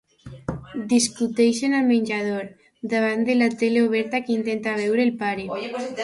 Discuteixen al menjador, davant de la tele oberta que intenta veure el pare.